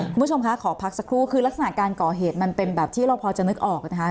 คุณผู้ชมคะขอพักสักครู่คือลักษณะการก่อเหตุมันเป็นแบบที่เราพอจะนึกออกนะคะ